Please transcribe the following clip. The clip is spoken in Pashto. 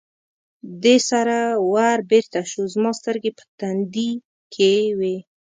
دې سره ور بېرته شو، زما سترګې په تندي کې وې.